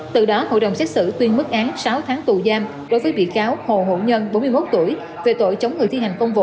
từ đó hội đồng xét xử tuyên mức án sáu tháng tù giam đối với bị cáo hồ hữu nhân bốn mươi một tuổi về tội chống người thi hành công vụ